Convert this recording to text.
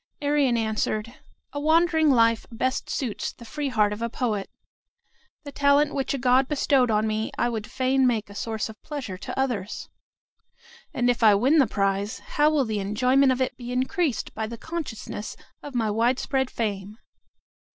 Arion answered, "A wandering life best suits the free heart of a poet. The talent which a god bestowed on me, I would fain make a source of pleasure to others. And if I win the prize, how will the enjoyment of it be increased by the consciousness of my widespread fame!"